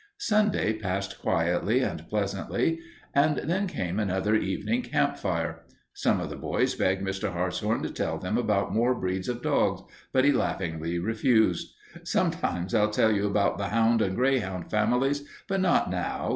Sunday passed quietly and pleasantly and then came another evening campfire. Some of the boys begged Mr. Hartshorn to tell them about more breeds of dogs, but he laughingly refused. "Sometime I'll tell you about the hound and greyhound families, but not now.